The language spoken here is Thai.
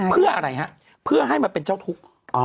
เพื่ออะไรฮะเพื่อให้มาเป็นเจ้าทุกข์